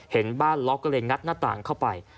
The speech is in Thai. เห็นบ้านล็อกก็เลยงัดหน้าต่างเข้าไป